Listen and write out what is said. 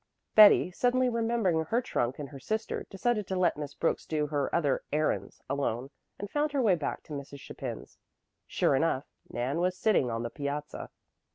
Betty, suddenly remembering her trunk and her sister, decided to let Miss Brooks do her other "errands" alone, and found her way back to Mrs. Chapin's. Sure enough, Nan was sitting on the piazza.